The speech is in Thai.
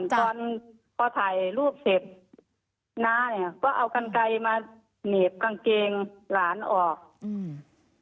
ตอนพอถ่ายรูปเสร็จน้าเนี้ยก็เอากันไกลมาหนีบกางเกงหลานออกอืม